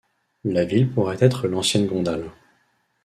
La ville pourrait être l'ancienne Gondal.